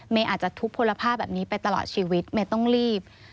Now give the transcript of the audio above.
อาจจะทุกพลภาพแบบนี้ไปตลอดชีวิตเมย์ต้องรีบ